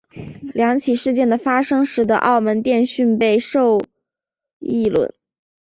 两起事件的发生使得澳门电讯备受议论。